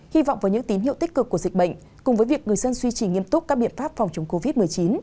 hy vọng với những tín hiệu tích cực của dịch bệnh cùng với việc người dân duy trì nghiêm túc các biện pháp phòng chống covid một mươi chín